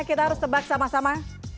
kita harus tebak sama sama